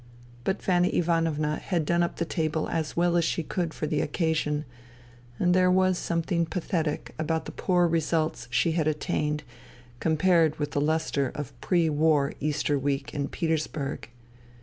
But Fanny Ivanovna had done up the table as well as she could for the occasion ; and there was something pathetic about the poor results she had attained compared with the lustre of pre war Easter week in Petersburg.